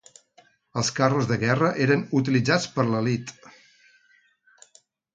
Els carros de guerra eren utilitzats per l'elit.